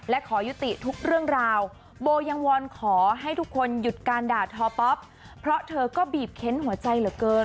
และขอยุติทุกเรื่องราวโบยังวอนขอให้ทุกคนหยุดการด่าทอป๊อปเพราะเธอก็บีบเค้นหัวใจเหลือเกิน